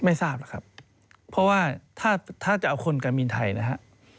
ไม่ทราบหรอกครับเพราะว่าถ้าจะเอาคนการบินไทยนะฮะ